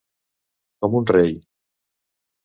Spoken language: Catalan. Com un rei.